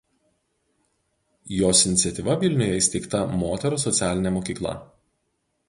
Jos iniciatyva Vilniuje įsteigta moterų socialinė mokykla.